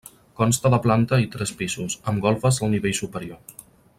Consta de planta i tres pisos, amb golfes al nivell superior.